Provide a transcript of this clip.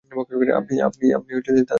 আপনিই তাহলে সোগান?